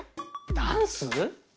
ダンス？